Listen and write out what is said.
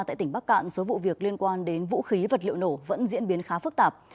tại tỉnh bắc cạn số vụ việc liên quan đến vũ khí vật liệu nổ vẫn diễn biến khá phức tạp